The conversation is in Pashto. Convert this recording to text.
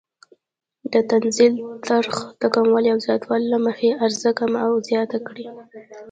د تنزیل نرخ د کموالي او زیاتوالي له مخې عرضه کمه او زیاته کړي.